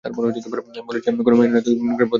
আমি বলেছি, আমি কোনো মেয়ে না, তুই-নোংরা-বদমায়েশ-হারামি!